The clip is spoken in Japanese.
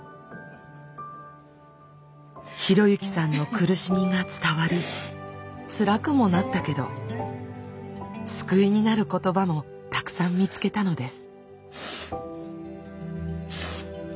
啓之さんの苦しみが伝わりつらくもなったけど救いになる言葉もたくさん見つけたのです。